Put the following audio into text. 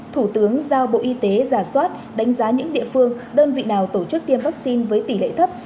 thủ tướng giao bộ y tế giả soát đánh giá những địa phương đơn vị nào tổ chức tiêm vaccine với tỷ lệ thấp